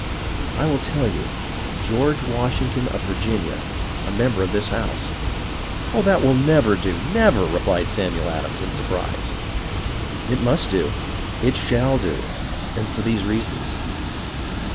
" I will tell you. George Washington of Virginia, a member of this house." " Oh, that will never do, never !" replied Samuel Adams, in surprise. " It must do. It sJiall do, and for these reasons."